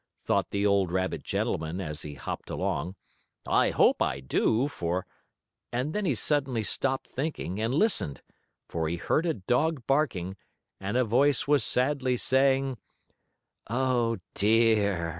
thought the old rabbit gentleman, as he hopped along. "I hope I do, for " And then he suddenly stopped thinking and listened, for he heard a dog barking, and a voice was sadly saying: "Oh, dear!